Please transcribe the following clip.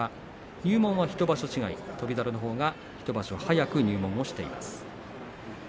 入門は翔猿のほうが１場所早く入門しています。